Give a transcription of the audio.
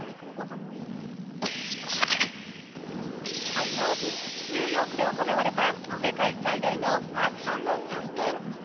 火曜日、ニューヨークで行われた世界最大のファッションの祭典。